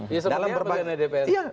ya sebenarnya apa sebenarnya dpr